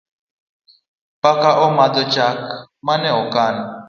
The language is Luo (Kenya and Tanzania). Paka omadho chak mane okan